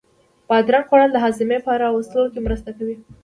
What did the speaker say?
بادرنگ خوړل د هاضمې په را وستلو کې مرسته کوي.